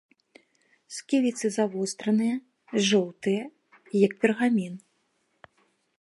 Сківіцы завостраныя, жоўтыя, як пергамін.